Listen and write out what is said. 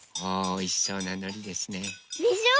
おいしそうなのりですね。でしょ？